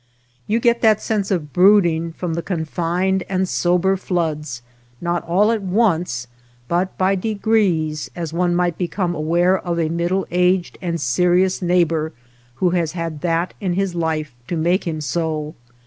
You get that sense of broodino: from the confined and sober floods, not all at once but by de grees, as one might become aware of a mid dle a^ed and serious neio^hbor who has had OTHER WATER BORDERS that in his life to make him so.